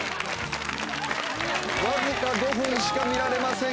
わずか５分しか見られません。